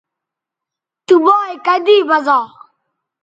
تو بایئے کدی بزا